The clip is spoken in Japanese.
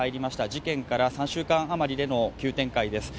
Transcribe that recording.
事件から３週間余りでの急展開です。